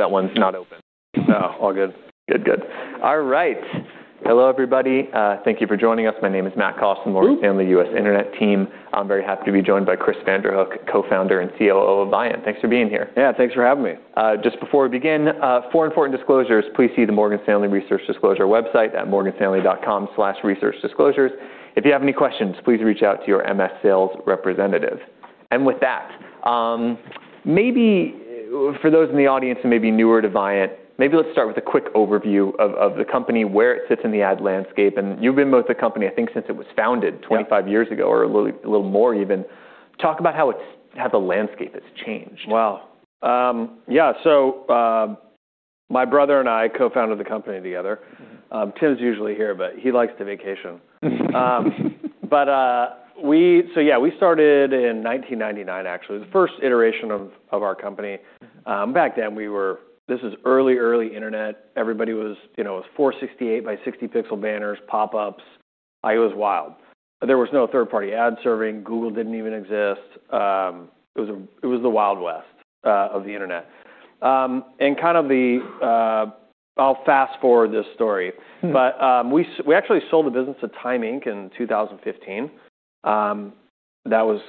Hope that one's not open. No, all good. Good, good. All right. Hello everybody. Thank you for joining us. My name is Dan Costin, Morgan Stanley US Internet team. I'm very happy to be joined by Chris Vanderhook, Co-Founder and COO of Viant. Thanks for being here. Yeah, thanks for having me. Just before we begin, for important disclosures, please see the Morgan Stanley research disclosure website at morganstanley.com/researchdisclosures. If you have any questions, please reach out to your MS sales representative. With that, maybe for those in the audience who may be newer to Viant, maybe let's start with a quick overview of the company, where it sits in the ad landscape. You've been with the company I think since it was founded. Yeah... 25 years ago or a little more even. Talk about how the landscape has changed. Well, yeah. My brother and I co-founded the company together. Tim's usually here, but he likes to vacation. We started in 1999, actually. The first iteration of our company. Back then we were this is early internet. Everybody was, you know, it was 468 by 60 pixel banners, pop-ups. It was wild. There was no third-party ad serving. Google didn't even exist. It was, it was the Wild West of the internet. Kind of the, I'll fast-forward this story. Mm-hmm. We actually sold the business to Time Inc. in 2015. That was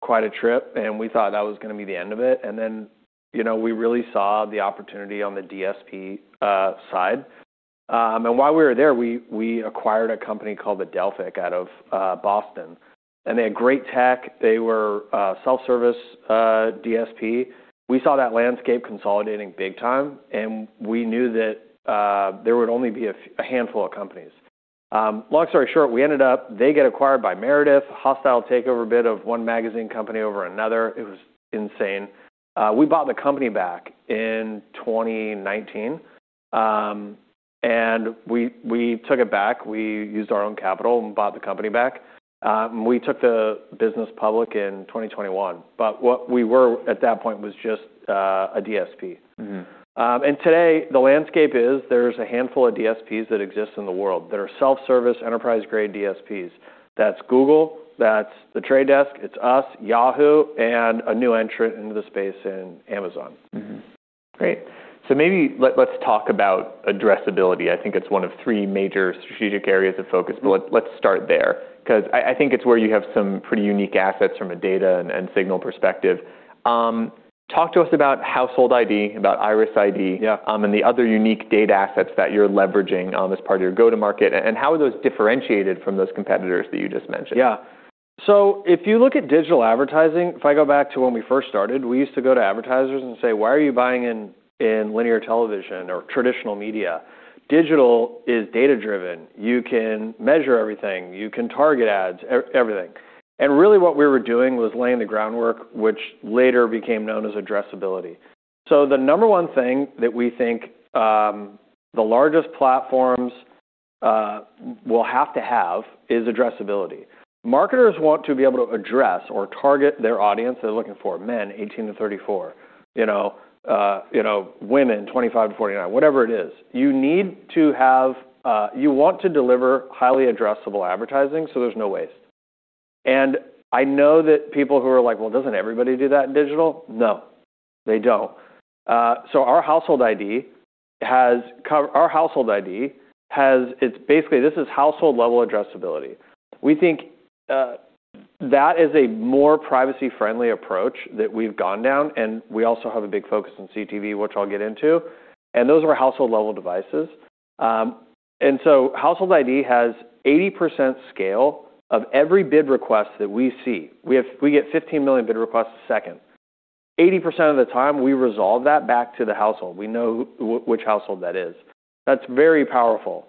quite a trip, and we thought that was gonna be the end of it. You know, we really saw the opportunity on the DSP side. While we were there, we acquired a company called Adelphic out of Boston, and they had great tech. They were self-service DSP. We saw that landscape consolidating big time, and we knew that there would only be a handful of companies. Long story short, we ended up, they get acquired by Meredith, hostile takeover bid of one magazine company over another. It was insane. We bought the company back in 2019, and we took it back. We used our own capital and bought the company back. We took the business public in 2021. What we were at that point was just a DSP. Mm-hmm. Today the landscape is, there's a handful of DSPs that exist in the world that are self-service, enterprise-grade DSPs. That's Google, that's The Trade Desk, it's us, Yahoo, and a new entrant into the space in Amazon. Great. maybe let's talk about addressability. I think it's one of three major strategic areas of focus. Mm-hmm. Let's start there, cause I think it's where you have some pretty unique assets from a data and signal perspective. Talk to us about Household ID, about IRIS ID. Yeah... and the other unique data assets that you're leveraging, as part of your go-to market, and how are those differentiated from those competitors that you just mentioned? Yeah. If you look at digital advertising, if I go back to when we first started, we used to go to advertisers and say, "Why are you buying in linear television or traditional media? Digital is data-driven. You can measure everything, you can target ads, e-everything." Really what we were doing was laying the groundwork, which later became known as addressability. The number one thing that we think the largest platforms will have to have is addressability. Marketers want to be able to address or target their audience. They're looking for men 18 to 34, you know, you know, women 25 to 49, whatever it is. You want to deliver highly addressable advertising so there's no waste. I know that people who are like, "Well, doesn't everybody do that in digital?" No, they don't. Our Household ID has, it's basically, this is household level addressability. We think that is a more privacy-friendly approach that we've gone down, and we also have a big focus on CTV, which I'll get into, and those are household level devices. Household ID has 80% scale of every bid request that we see. We get 15 million bid requests a second. 80% of the time, we resolve that back to the household. We know which household that is. That's very powerful.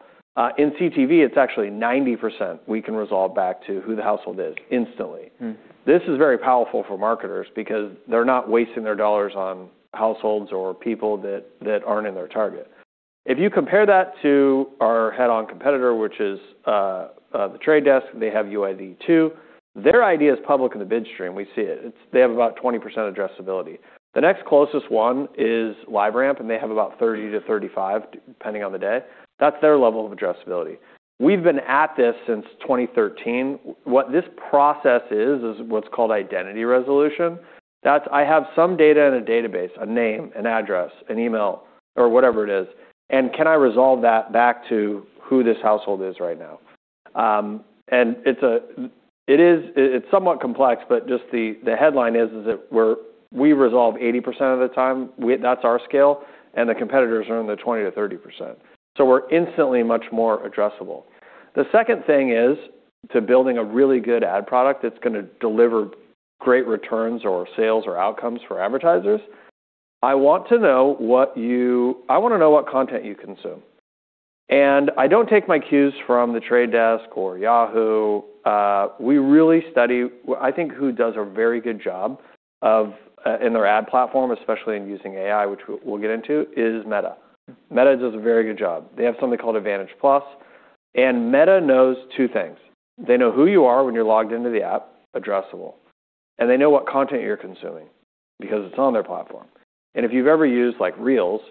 In CTV, it's actually 90% we can resolve back to who the household is instantly. Mm-hmm. This is very powerful for marketers because they're not wasting their dollars on households or people that aren't in their target. If you compare that to our head-on competitor, which is The Trade Desk, they have UID2. Their ID is public in the bid stream. We see it. They have about 20% addressability. The next closest one is LiveRamp, and they have about 30%-35%, depending on the day. That's their level of addressability. We've been at this since 2013. What this process is what's called identity resolution. That's I have some data in a database, a name, an address, an email, or whatever it is, and can I resolve that back to who this household is right now? It is, it's somewhat complex, but just the headline is that we resolve 80% of the time. That's our scale, and the competitors are in the 20%-30%. We're instantly much more addressable. The second thing is to building a really good ad product that's gonna deliver great returns or sales or outcomes for advertisers. I wanna know what content you consume. I don't take my cues from The Trade Desk or Yahoo. We really study, I think, who does a very good job of, in their ad platform, especially in using AI, which we'll get into, is Meta. Meta does a very good job. They have something called Advantage+. Meta knows two things. They know who you are when you're logged into the app, addressable. They know what content you're consuming because it's on their platform. If you've ever used, like, Reels,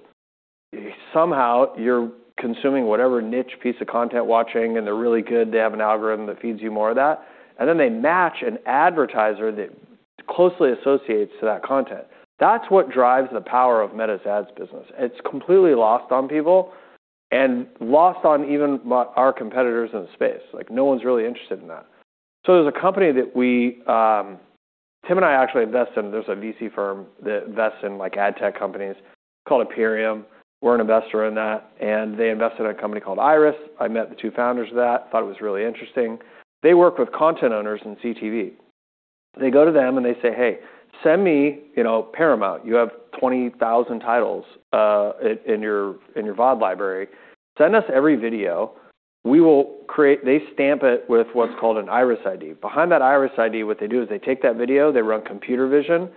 somehow you're consuming whatever niche piece of content watching, and they're really good. They have an algorithm that feeds you more of that, and then they match an advertiser that closely associates to that content. That's what drives the power of Meta's ads business. It's completely lost on people and lost on even our competitors in the space. Like, no one's really interested in that. There's a company that we, Tim and I actually invest in. There's a VC firm that invests in, like, ad tech companies called Aperiam. We're an investor in that, and they invested in a company called Iris. I met the two founders of that. I thought it was really interesting. They work with content owners in CTV. They go to them, and they say, "Hey, send me, you know, Paramount. You have 20,000 titles in your VOD library. Send us every video." They stamp it with what's called an IRIS_ID. Behind that IRIS_ID, what they do is they take that video, they run computer vision,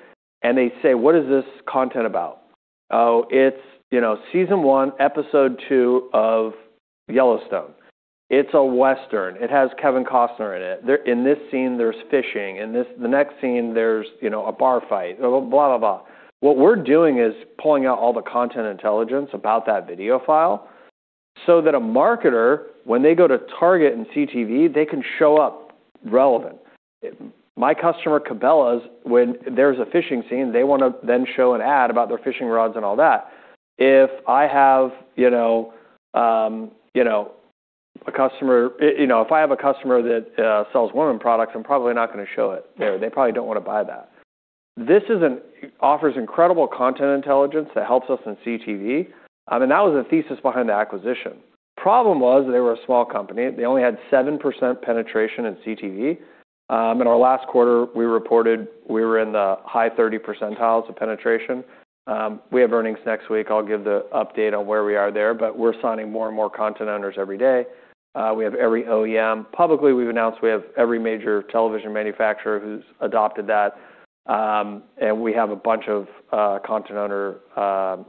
and they say, "What is this content about?" It's, you know, season 1, episode 2 of Yellowstone. It's a Western. It has Kevin Costner in it. In this scene, there's fishing. The next scene, there's, you know, a bar fight, blah, blah. What we're doing is pulling out all the content intelligence about that video file so that a marketer, when they go to target in CTV, they can show up relevant. My customer, Cabela's, when there's a fishing scene, they wanna then show an ad about their fishing rods and all that. If I have, you know, a customer, you know, if I have a customer that sells women products, I'm probably not gonna show it. They probably don't wanna buy that. This offers incredible content intelligence that helps us in CTV. I mean, that was the thesis behind the acquisition. Problem was they were a small company. They only had 7% penetration in CTV. In our last quarter, we reported we were in the high 30 percentiles of penetration. We have earnings next week. I'll give the update on where we are there, but we're signing more and more content owners every day. We have every OEM. Publicly, we've announced we have every major television manufacturer who's adopted that. We have a bunch of content owner,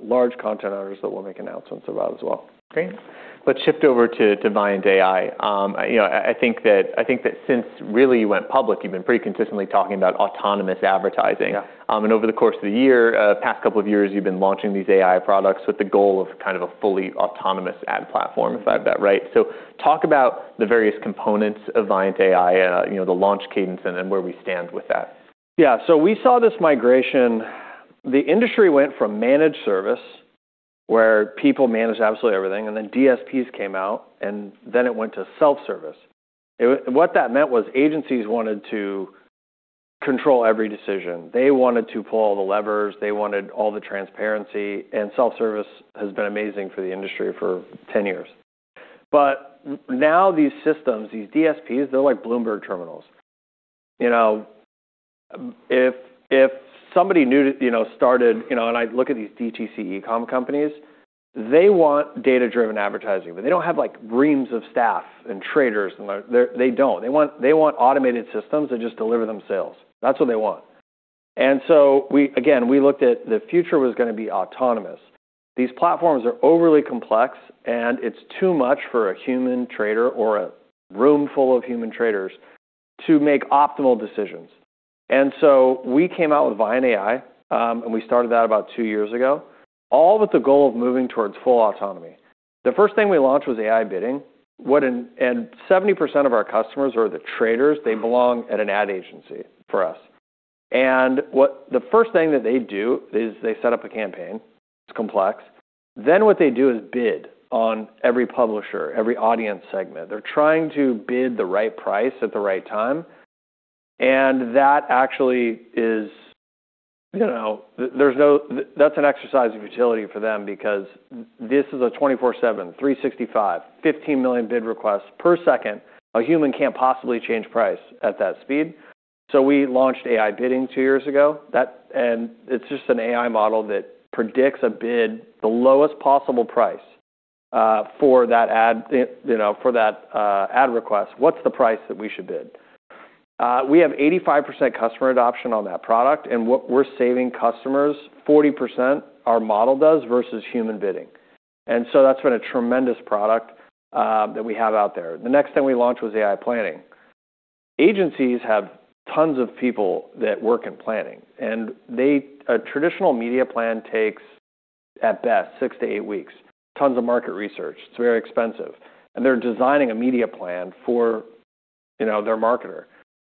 large content owners that we'll make announcements about as well. Great. Let's shift over to ViantAI. you know, I think that since really you went public, you've been pretty consistently talking about autonomous advertising. Yeah. Over the course of the year, past two years, you've been launching these AI products with the goal of kind of a fully autonomous ad platform, if I have that right. Talk about the various components of ViantAI, you know, the launch cadence and then where we stand with that. Yeah. We saw this migration. The industry went from managed service, where people managed absolutely everything, and then DSPs came out, and then it went to self-service. What that meant was agencies wanted to control every decision. They wanted to pull all the levers. They wanted all the transparency, and self-service has been amazing for the industry for 10 years. Now these systems, these DSPs, they're like Bloomberg terminals. You know, if somebody new, you know, started, you know, and I look at these DTC e-com companies, they want data-driven advertising, but they don't have, like, reams of staff and traders and like. They don't. They want, they want automated systems that just deliver them sales. That's what they want. We, again, we looked at the future was gonna be autonomous. These platforms are overly complex, and it's too much for a human trader or a room full of human traders to make optimal decisions. We came out with ViantAI, and we started that about 2 years ago, all with the goal of moving towards full autonomy. The first thing we launched was AI Bidding. 70% of our customers are the traders. They belong at an ad agency for us. The first thing that they do is they set up a campaign. It's complex. What they do is bid on every publisher, every audience segment. They're trying to bid the right price at the right time, and that actually is, you know, that's an exercise of utility for them because this is a 24/7, 365, 15 million bid requests per second. A human can't possibly change price at that speed. We launched AI Bidding 2 years ago. It's just an AI model that predicts a bid the lowest possible price for that ad, you know, for that ad request. What's the price that we should bid? We have 85% customer adoption on that product, and what we're saving customers 40% our model does versus human bidding. That's been a tremendous product that we have out there. The next thing we launched was AI Planning. Agencies have tons of people that work in planning, and a traditional media plan takes at best six weeks to eight weeks, tons of market research. It's very expensive. They're designing a media plan for, you know, their marketer.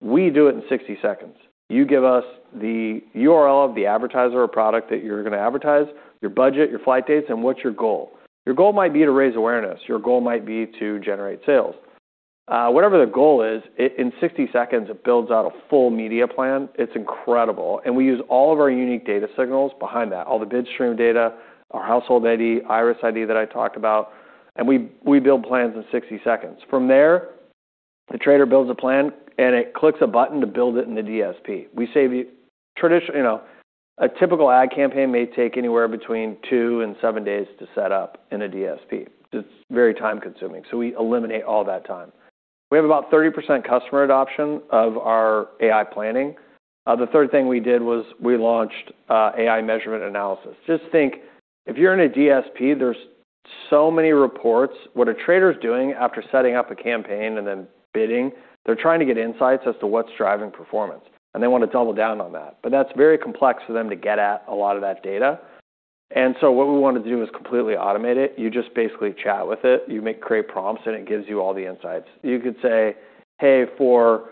We do it in 60 seconds. You give us the URL of the advertiser or product that you're gonna advertise, your budget, your flight dates, and what's your goal? Your goal might be to raise awareness. Your goal might be to generate sales. Whatever the goal is, in 60 seconds, it builds out a full media plan. It's incredible. We use all of our unique data signals behind that, all the bid stream data, our household ID, IRIS_ID that I talked about, and we build plans in 60 seconds. From there, the trader builds a plan, and it clicks a button to build it in the DSP. You know, a typical ad campaign may take anywhere between two days and seven days to set up in a DSP. It's very time-consuming. We eliminate all that time. We have about 30% customer adoption of our AI Planning. The third thing we did was we launched AI Analysis & Measurement. Just think, if you're in a DSP, there's-So many reports, what a trader is doing after setting up a campaign and then bidding, they're trying to get insights as to what's driving performance, and they wanna double down on that. That's very complex for them to get at a lot of that data. What we wanna do is completely automate it. You just basically chat with it, you create prompts, and it gives you all the insights. You could say, "Hey, for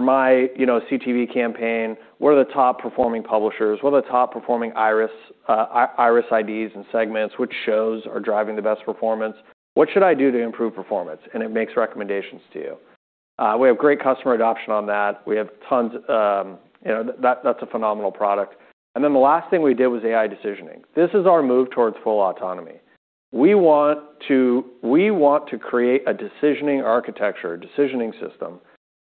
my, you know, CTV campaign, what are the top-performing publishers? What are the top-performing IRIS IDs and segments? Which shows are driving the best performance? What should I do to improve performance?" It makes recommendations to you. We have great customer adoption on that. You know, that's a phenomenal product. The last thing we did was AI Decisioning. This is our move towards full autonomy. We want to create a decisioning architecture, decisioning system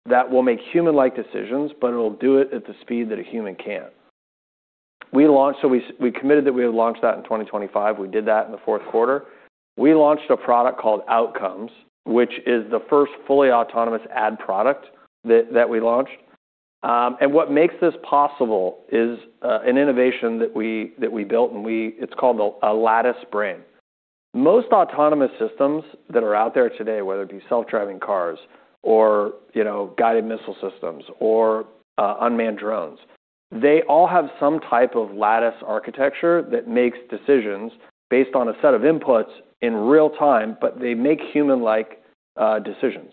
that will make human-like decisions, but it'll do it at the speed that a human can't. We committed that we would launch that in 2025. We did that in the fourth quarter. We launched a product called Outcomes, which is the first fully autonomous ad product that we launched. What makes this possible is an innovation that we built, it's called a LatticeBrain. Most autonomous systems that are out there today, whether it be self-driving cars or, you know, guided missile systems or unmanned drones, they all have some type of lattice architecture that makes decisions based on a set of inputs in real time, but they make human-like decisions.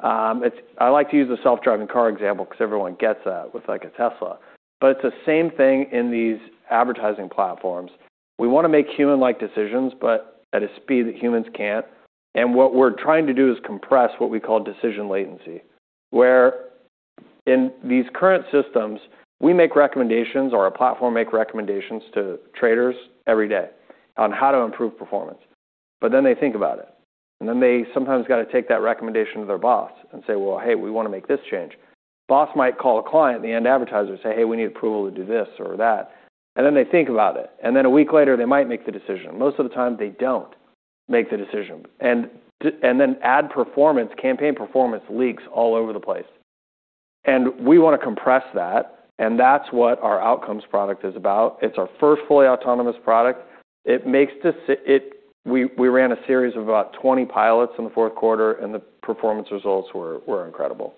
I like to use the self-driving car example 'cause everyone gets that with, like, a Tesla. It's the same thing in these advertising platforms. We wanna make human-like decisions, but at a speed that humans can't. What we're trying to do is compress what we call decision latency, where in these current systems, we make recommendations or our platform make recommendations to traders every day on how to improve performance. They think about it, and then they sometimes gotta take that recommendation to their boss and say, "Well, hey, we wanna make this change." Boss might call a client, the end advertiser, say, "Hey, we need approval to do this or that." They think about it. A week later, they might make the decision. Most of the time, they don't make the decision. And then ad performance, campaign performance leaks all over the place. We wanna compress that, and that's what our Outcomes product is about. It's our first fully autonomous product. We ran a series of about 20 pilots in the fourth quarter, and the performance results were incredible.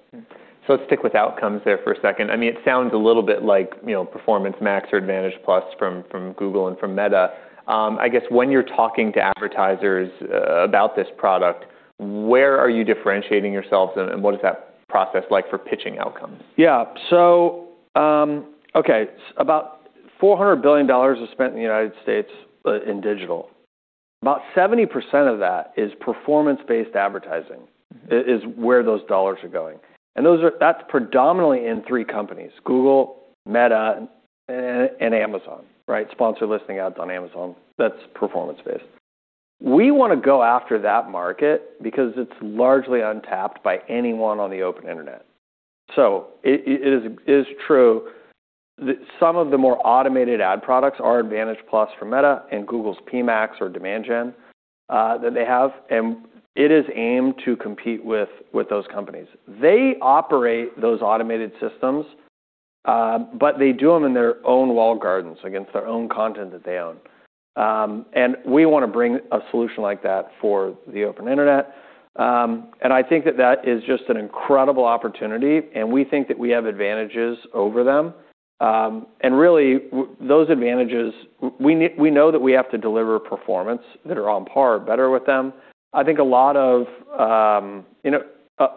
Let's stick with Outcomes there for a second. I mean, it sounds a little bit like, you know, Performance Max or Advantage+ from Google and from Meta. I guess when you're talking to advertisers about this product, where are you differentiating yourselves, and what is that process like for pitching Outcomes? Yeah. Okay. About $400 billion is spent in the United States in digital. About 70% of that is performance-based advertising, is where those dollars are going. That's predominantly in three companies: Google, Meta, and Amazon, right? Sponsored listing ads on Amazon, that's performance-based. We wanna go after that market because it's largely untapped by anyone on the open internet. It is true that some of the more automated ad products are Advantage+ from Meta and Google's PMax or Demand Gen that they have, and it is aimed to compete with those companies. They operate those automated systems, but they do them in their own walled gardens against their own content that they own. We wanna bring a solution like that for the open internet. I think that that is just an incredible opportunity, and we think that we have advantages over them. Really, those advantages, we know that we have to deliver performance that are on par or better with them. I think a lot of, you know,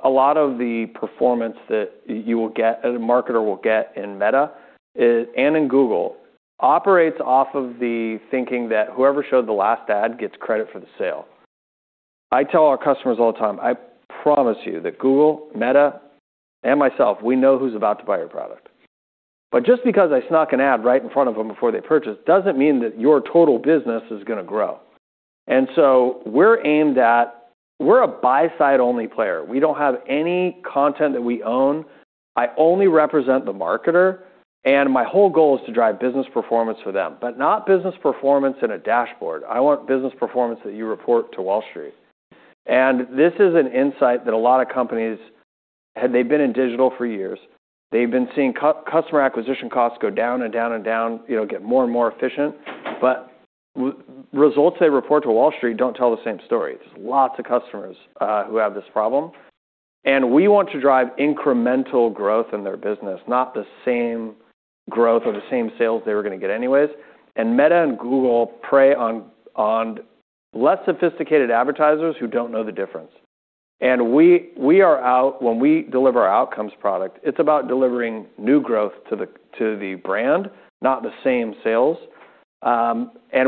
a lot of the performance that you will get, a marketer will get in Meta is and in Google, operates off of the thinking that whoever showed the last ad gets credit for the sale. I tell our customers all the time, "I promise you that Google, Meta, and myself, we know who's about to buy your product." Just because I snuck an ad right in front of them before they purchased doesn't mean that your total business is gonna grow. We're aimed at we're a buy-side only player. We don't have any content that we own. I only represent the marketer, and my whole goal is to drive business performance for them, but not business performance in a dashboard. I want business performance that you report to Wall Street. This is an insight that a lot of companies, had they been in digital for years, they've been seeing customer acquisition costs go down and down and down, you know, get more and more efficient, but results they report to Wall Street don't tell the same story. There's lots of customers who have this problem, and we want to drive incremental growth in their business, not the same growth or the same sales they were gonna get anyways. Meta and Google prey on less sophisticated advertisers who don't know the difference. We are out-- When we deliver our Outcomes product, it's about delivering new growth to the brand, not the same sales.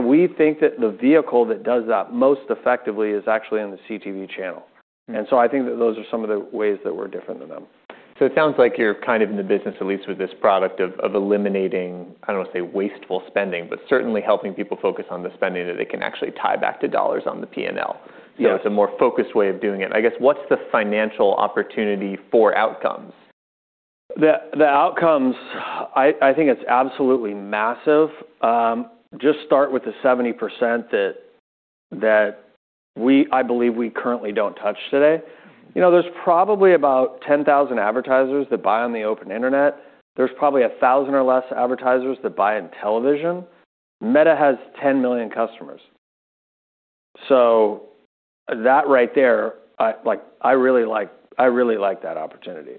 We think that the vehicle that does that most effectively is actually in the CTV channel. Mm-hmm. I think that those are some of the ways that we're different than them. It sounds like you're kind of in the business, at least with this product, of eliminating, I don't wanna say wasteful spending, but certainly helping people focus on the spending that they can actually tie back to dollars on the P&L. Yeah. It's a more focused way of doing it. I guess, what's the financial opportunity for Outcomes? The Outcomes, I think it's absolutely massive. Just start with the 70% that we, I believe we currently don't touch today. You know, there's probably about 10,000 advertisers that buy on the open internet. There's probably 1,000 or less advertisers that buy in television. Meta has 10 million customers. That right there, I really like that opportunity.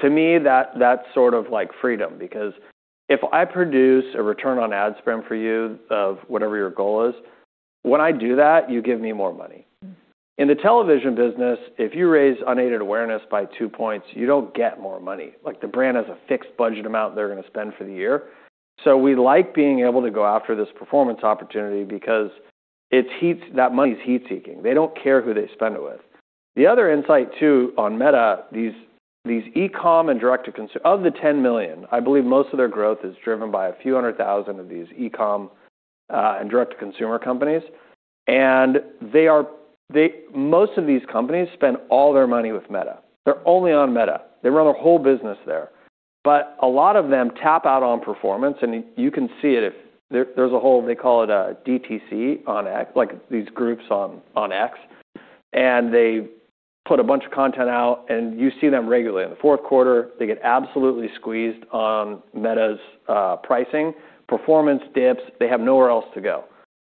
To me, that's sort of like freedom because if I produce a return on ad spend for you of whatever your goal is, when I do that, you give me more money. In the television business, if you raise unaided awareness by 2 points, you don't get more money. Like, the brand has a fixed budget amount they're gonna spend for the year. We like being able to go after this performance opportunity because that money's heat-seeking. They don't care who they spend it with. The other insight too on Meta, these e-com and direct-to-consumer. Of the $10 million, I believe most of their growth is driven by a few hundred thousand of these e-com and direct-to-consumer companies. Most of these companies spend all their money with Meta. They're only on Meta. They run their whole business there. A lot of them tap out on performance, and you can see it if. There's a whole, they call it a DTC on X, like these groups on X, and they put a bunch of content out, and you see them regularly. In the fourth quarter, they get absolutely squeezed on Meta's pricing. Performance dips, they have nowhere else to go.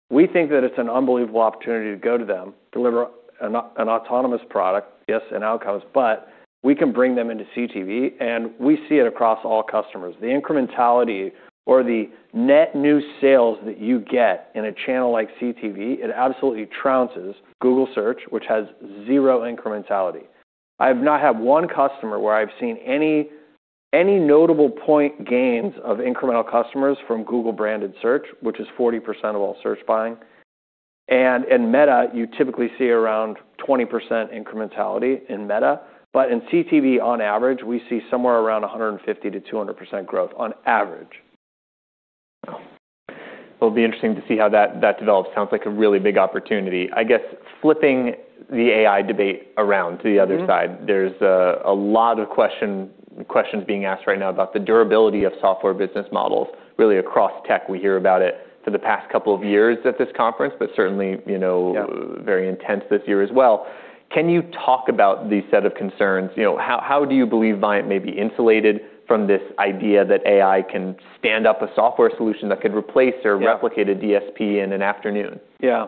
We think that it's an unbelievable opportunity to go to them, deliver an autonomous product, yes, and Outcomes, but we can bring them into CTV, and we see it across all customers. The incrementality or the net new sales that you get in a channel like CTV, it absolutely trounces Google Search, which has zero incrementality. I've not had one customer where I've seen any notable point gains of incremental customers from Google-branded search, which is 40% of all search buying. In Meta, you typically see around 20% incrementality in Meta. In CTV, on average, we see somewhere around 150%-200% growth on average. It'll be interesting to see how that develops. Sounds like a really big opportunity. I guess flipping the AI debate around to the other side... Mm-hmm. There's a lot of questions being asked right now about the durability of software business models really across tech. We hear about it for the past couple of years at this conference, but certainly, you know. Yeah. very intense this year as well. Can you talk about the set of concerns? You know, how do you believe Viant may be insulated from this idea that AI can stand up a software solution that could replace- Yeah. replicate a DSP in an afternoon? Yeah.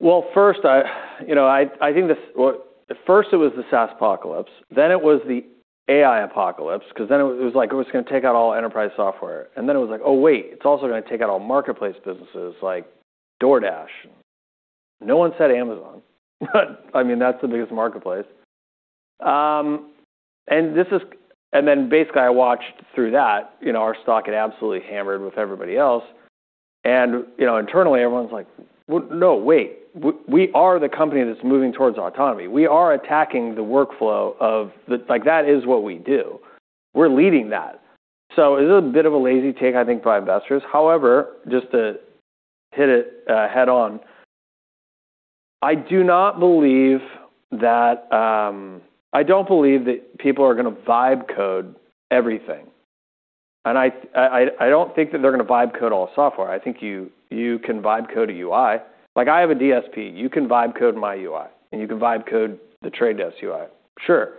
Well, first, I, you know, I think Well, at first it was the SaaS apocalypse, then it was the AI apocalypse, 'cause then it was like it was gonna take out all enterprise software, and then it was like, "Oh, wait, it's also gonna take out all marketplace businesses like DoorDash." No one said Amazon, but I mean, that's the biggest marketplace. Then basically, I watched through that, you know, our stock get absolutely hammered with everybody else, and, you know, internally, everyone's like, "Well, no, wait. We are the company that's moving towards autonomy. We are attacking the workflow, like, that is what we do. We're leading that." It was a bit of a lazy take, I think, by investors. However, just to hit it, head on, I do not believe that, I don't believe that people are gonna vibe code everything. I don't think that they're gonna vibe code all software. I think you can vibe code a UI. Like, I have a DSP, you can vibe code my UI, and you can vibe code The Trade Desk UI. Sure.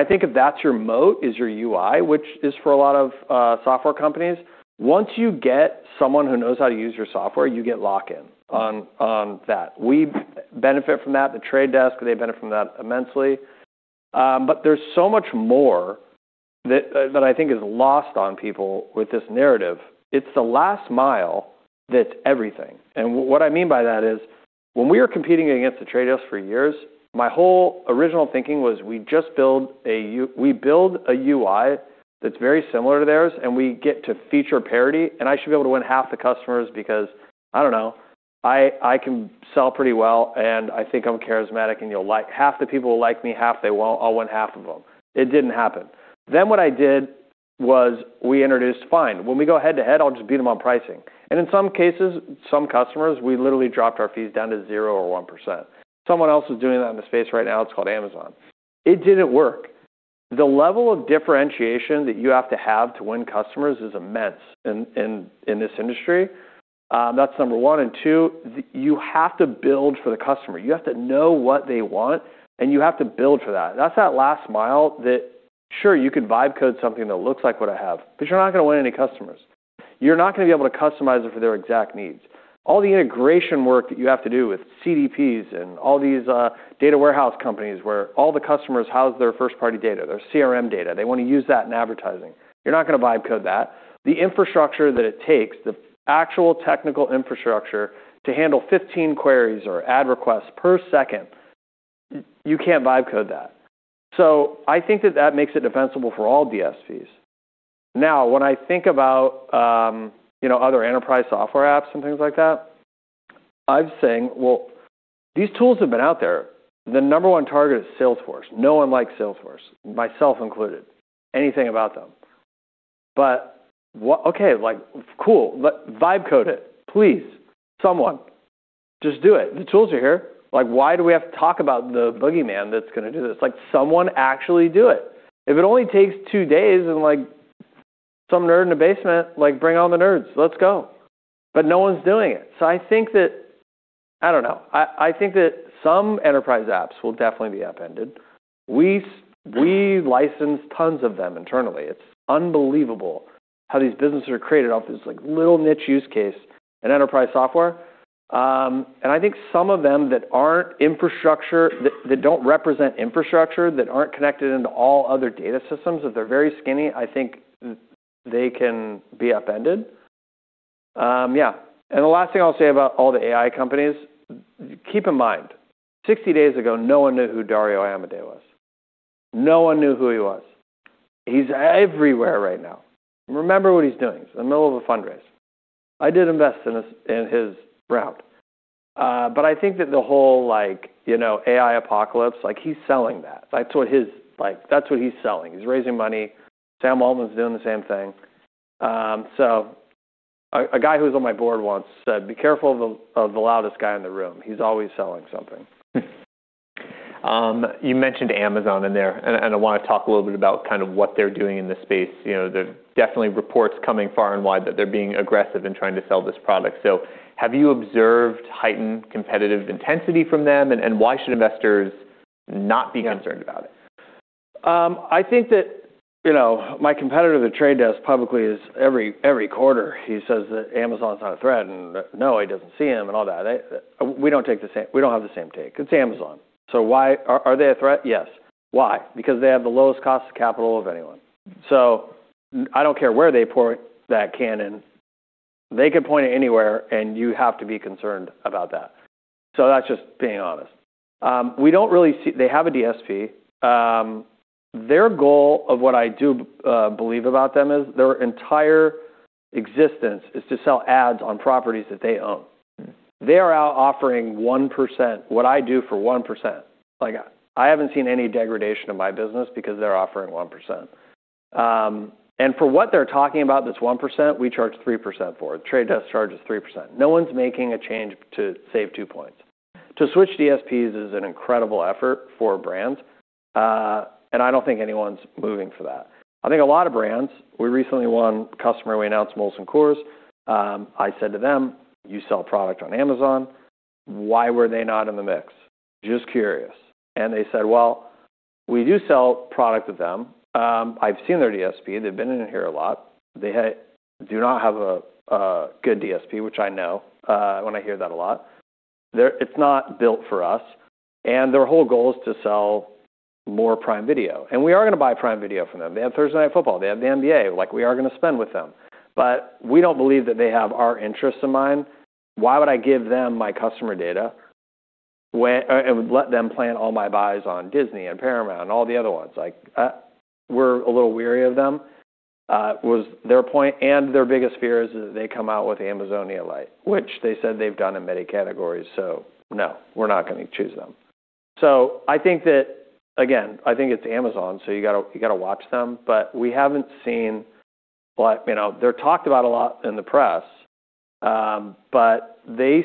I think if that's your moat is your UI, which is for a lot of software companies, once you get someone who knows how to use your software, you get lock-in on that. We benefit from that. The Trade Desk, they benefit from that immensely. There's so much more that I think is lost on people with this narrative. It's the last mile that's everything. What I mean by that is, when we were competing against The Trade Desk for years, my whole original thinking was we just build a UI that's very similar to theirs, and we get to feature parity, and I should be able to win half the customers because, I don't know, I can sell pretty well, and I think I'm charismatic, and half the people will like me, half they won't. I'll win half of them. It didn't happen. What I did was we introduced, fine, when we go head-to-head, I'll just beat them on pricing. In some cases, some customers, we literally dropped our fees down to 0% or 1%. Someone else is doing that in the space right now. It's called Amazon. It didn't work. The level of differentiation that you have to have to win customers is immense in, in this industry. That's number one. Two, you have to build for the customer. You have to know what they want, and you have to build for that. That's that last mile that, sure, you could vibe code something that looks like what I have, but you're not gonna win any customers. You're not gonna be able to customize it for their exact needs. All the integration work that you have to do with CDPs and all these data warehouse companies where all the customers house their first-party data, their CRM data, they wanna use that in advertising. You're not gonna vibe code that. The infrastructure that it takes, the actual technical infrastructure to handle 15 queries or ad requests per second, you can't vibe code that. I think that that makes it defensible for all DSPs. Now, when I think about, you know, other enterprise software apps and things like that, I'm saying, well, these tools have been out there. The number one target is Salesforce. No one likes Salesforce, myself included. Anything about them. Okay, like, cool. Vibe code it, please. Someone just do it. The tools are here. Like, why do we have to talk about the boogeyman that's gonna do this? Like, someone actually do it. If it only takes two days and some nerd in a basement, like, bring all the nerds, let's go. No one's doing it. I think I don't know. I think that some enterprise apps will definitely be upended. We license tons of them internally. It's unbelievable how these businesses are created off this, like, little niche use case in enterprise software. I think some of them that aren't infrastructure, that don't represent infrastructure, that aren't connected into all other data systems, if they're very skinny, I think they can be upended. Yeah. The last thing I'll say about all the AI companies, keep in mind, 60 days ago, no one knew who Dario Amodei was. No one knew who he was. He's everywhere right now. Remember what he's doing. He's in the middle of a fundraise. I did invest in his round. I think that the whole, like, you know, AI apocalypse, like, he's selling that. That's what he's selling. He's raising money. Sam Altman's doing the same thing. A guy who was on my board once said, "Be careful of the loudest guy in the room. He's always selling something. You mentioned Amazon in there, and I wanna talk a little bit about kind of what they're doing in this space. You know, there are definitely reports coming far and wide that they're being aggressive in trying to sell this product. Have you observed heightened competitive intensity from them, and why should investors not be concerned about it? I think that, you know, my competitor at The Trade Desk publicly is every quarter, he says that Amazon's not a threat and that, no, he doesn't see 'em and all that. We don't have the same take. It's Amazon. Are they a threat? Yes. Why? Because they have the lowest cost of capital of anyone. I don't care where they point that cannon. They could point it anywhere, and you have to be concerned about that. That's just being honest. We don't really see. They have a DSP. Their goal of what I do believe about them is their entire existence is to sell ads on properties that they own. They are out offering 1%, what I do for 1%. Like, I haven't seen any degradation of my business because they're offering 1%. For what they're talking about this 1%, we charge 3% for it. Trade Desk charges 3%. No one's making a change to save 2 points. To switch DSPs is an incredible effort for brands, I don't think anyone's moving for that. We recently won a customer. We announced Molson Coors. I said to them, "You sell product on Amazon. Why were they not in the mix? Just curious." They said, "Well, we do sell product with them. I've seen their DSP. They've been in here a lot. They do not have a good DSP, which I know when I hear that a lot. It's not built for us, and their whole goal is to sell more Prime Video. We are gonna buy Prime Video from them. They have Thursday Night Football, they have the NBA. Like, we are gonna spend with them. We don't believe that they have our interests in mind. Why would I give them my customer data and let them plan all my buys on Disney and Paramount and all the other ones? Like, we're a little weary of them," was their point, and their biggest fear is that they come out with Amazonia Light, which they said they've done in many categories, so no, we're not gonna choose them. I think that, again, I think it's Amazon, so you gotta, you gotta watch them. We haven't seen You know, they're talked about a lot in the press, but they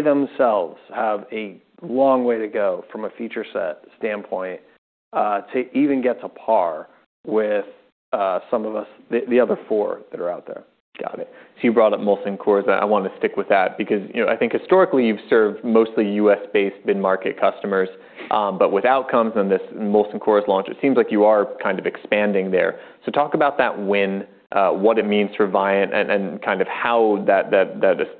themselves have a long way to go from a feature set standpoint, to even get to par with, some of us, the other four that are out there. Got it. You brought up Molson Coors. I wanna stick with that because, you know, I think historically you've served mostly US-based mid-market customers, but with Outcomes and this Molson Coors launch, it seems like you are kind of expanding there. Talk about that win, what it means for Viant and kind of how that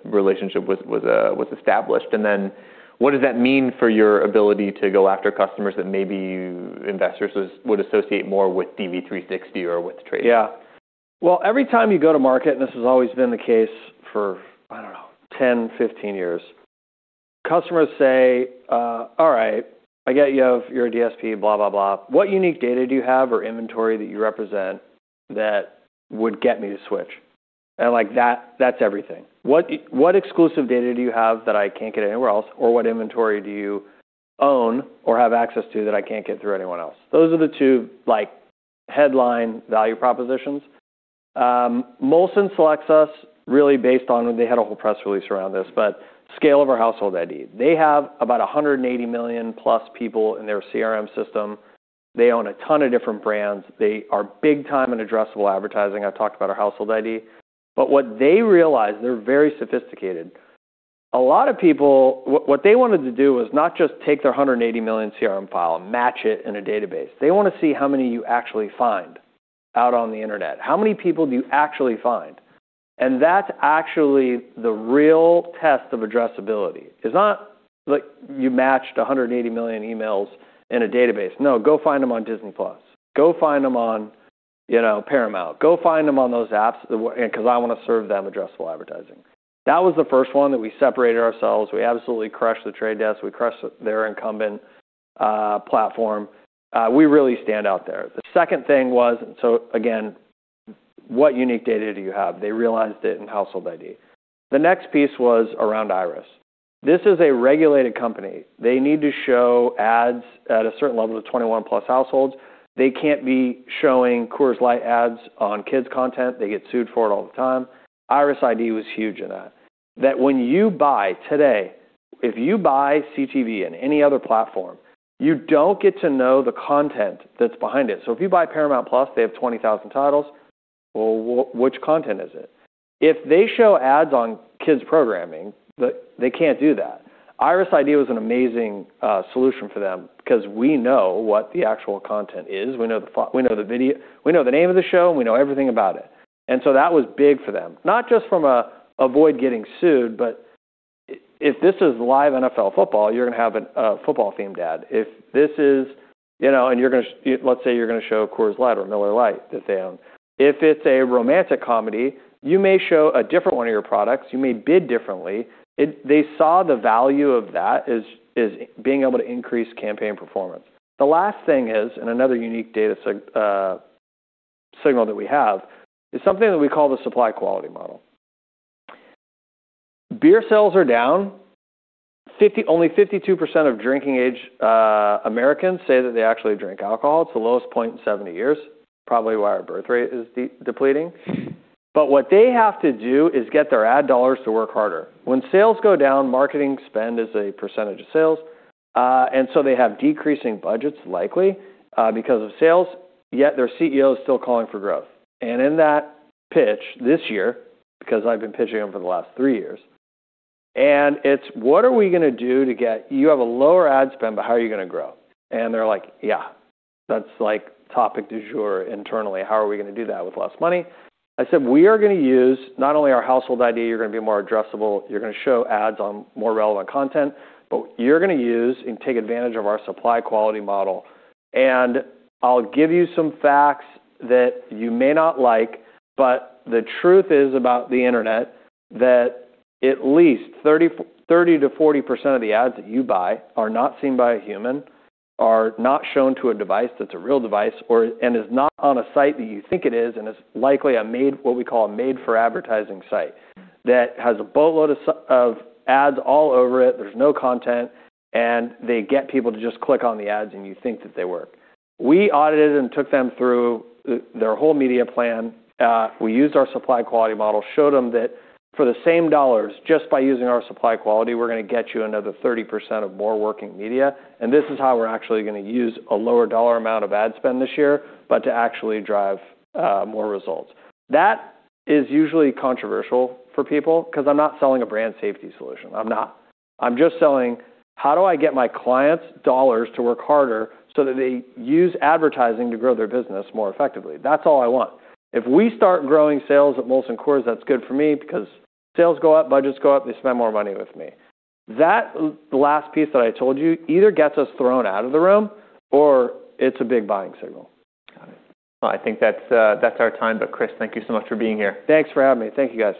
relationship was established, and then what does that mean for your ability to go after customers that maybe you investors would associate more with DV360 or with Trade? Every time you go to market, and this has always been the case for, I don't know, 10 years, 15 years, customers say, "All right. I get you have your DSP, blah, blah. What unique data do you have or inventory that you represent that would get me to switch?" Like that's everything. "What exclusive data do you have that I can't get anywhere else, or what inventory do you own or have access to that I can't get through anyone else?" Those are the two, like, headline value propositions. Molson selects us really based on, they had a whole press release around this, but scale of our Viant Household ID. They have about 180 million+ people in their CRM system. They own a ton of different brands. They are big time in addressable advertising. I've talked about our Household ID. What they realize, they're very sophisticated. What they wanted to do was not just take their 180 million CRM file and match it in a database. They wanna see how many you actually find out on the internet. How many people do you actually find? That's actually the real test of addressability. It's not like you matched 180 million emails in a database. No, go find them on Disney+. Go find them on, you know, Paramount. Go find them on those apps 'cause I wanna serve them addressable advertising. That was the first one that we separated ourselves. We absolutely crushed The Trade Desk. We crushed their incumbent platform. We really stand out there. The second thing was, again, what unique data do you have? They realized it in household ID. The next piece was around IRIS. This is a regulated company. They need to show ads at a certain level to 21+ households. They can't be showing Coors Light ads on kids' content. They get sued for it all the time. IRIS_ID was huge in that. If you buy CTV in any other platform, you don't get to know the content that's behind it. If you buy Paramount+, they have 20,000 titles. Well, which content is it? If they show ads on kids' programming, they can't do that. IRIS_ID was an amazing solution for them 'cause we know what the actual content is. We know the video, we know the name of the show, and we know everything about it. That was big for them, not just from avoid getting sued, but if this is live NFL football, you're gonna have a football-themed ad. If this is, you know, Let's say you're gonna show Coors Light or Miller Lite that they own. If it's a romantic comedy, you may show a different one of your products, you may bid differently. They saw the value of that is being able to increase campaign performance. The last thing is, another unique data signal that we have is something that we call the supply quality model. Beer sales are down. Only 52% of drinking age Americans say that they actually drink alcohol. It's the lowest point in 70 years, probably why our birth rate is depleting. What they have to do is get their ad dollars to work harder. When sales go down, marketing spend is a percentage of sales, and so they have decreasing budgets likely because of sales, yet their CEO is still calling for growth. In that pitch this year, because I've been pitching them for the last three years, it's, "You have a lower ad spend, but how are you gonna grow?" They're like, "Yeah, that's like topic du jour internally. How are we gonna do that with less money?" I said, "We are gonna use not only our Household ID, you're gonna be more addressable, you're gonna show ads on more relevant content, but you're gonna use and take advantage of our supply quality model. I'll give you some facts that you may not like, but the truth is about the internet that at least 30%-40% of the ads that you buy are not seen by a human, are not shown to a device that's a real device, or is not on a site that you think it is, and is likely a made, what we call a made for advertising site, that has a boatload of ads all over it. There's no content, and they get people to just click on the ads, and you think that they work." We audited and took them through their whole media plan. We used our supply quality model, showed them that for the same dollars, just by using our supply quality, we're gonna get you another 30% of more working media, and this is how we're actually gonna use a lower dollar amount of ad spend this year, but to actually drive more results. That is usually controversial for people 'cause I'm not selling a brand safety solution. I'm not. I'm just selling, how do I get my clients' dollars to work harder so that they use advertising to grow their business more effectively? That's all I want. If we start growing sales at Molson Coors, that's good for me because sales go up, budgets go up, they spend more money with me. That last piece that I told you either gets us thrown out of the room or it's a big buying signal. Got it. I think that's our time. Chris, thank you so much for being here. Thanks for having me. Thank you, guys.